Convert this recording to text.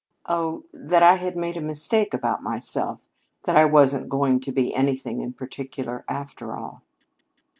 "Oh, that I had made a mistake about myself that I wasn't going to be anything in particular, after all."